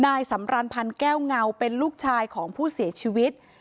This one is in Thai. นายสำรันพันธ์แก้วเงาเป็นลูกชายของผู้เสียชีวิต